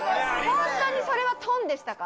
本当にそれは豚でしたか？